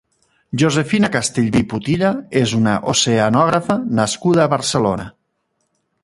Josefina Castellví i putilla és una oceanògrafa nascuda a Barcelona.